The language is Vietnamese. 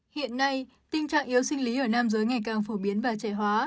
hiện nay tình trạng yếu sinh lý ở nam giới ngày càng phổ biến và trẻ hóa